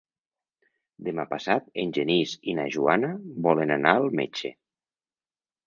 Demà passat en Genís i na Joana volen anar al metge.